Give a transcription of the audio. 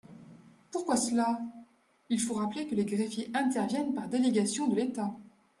Pourquoi cela ? Il faut rappeler que les greffiers interviennent par délégation de l’État.